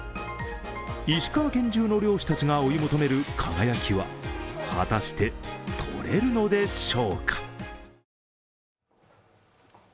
石川県中の漁師たちが追い求める輝は果たしてとれるのでしょうか。